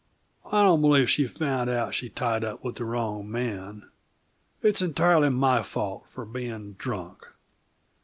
I don't believe she found out she tied up to the wrong man. It's entirely my fault, for being drunk."